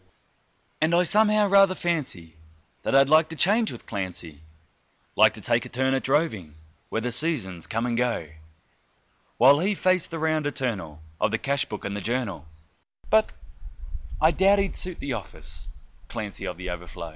And I somehow rather fancy that I'd like to change with Clancy, Like to take a turn at droving where the seasons come and go, While he faced the round eternal of the cash book and the journal But I doubt he'd suit the office, Clancy, of The Overflow.